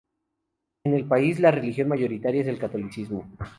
En el país la religión mayoritaria es el catolicismo.